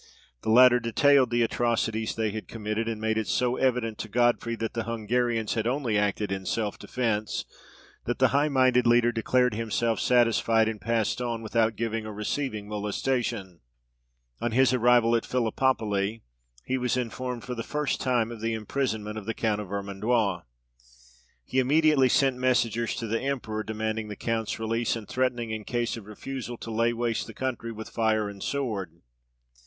The latter detailed the atrocities they had committed, and made it so evident to Godfrey that the Hungarians had only acted in self defence, that the high minded leader declared himself satisfied, and passed on without giving or receiving molestation. On his arrival at Philippopoli he was informed for the first time of the imprisonment of the count of Vermandois. He immediately sent messengers to the emperor, demanding the count's release, and threatening, in case of refusal, to lay waste the country with fire and sword.